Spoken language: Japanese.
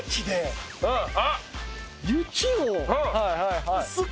あっ！